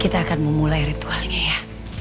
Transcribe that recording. kita akan memulai ritualnya ya